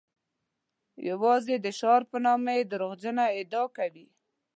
یوازې د شعار په نامه یې دروغجنه ادعا کوي.